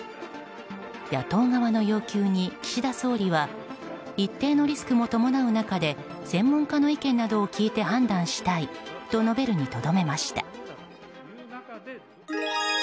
野党側の要求に岸田総理は一定のリスクも伴う中で専門家の意見などを聞いて判断したいと述べるに